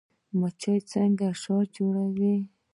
مچۍ څنګه شات جوړوي؟